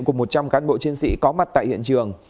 của một trăm linh cán bộ chiến sĩ có mặt tại hiện trường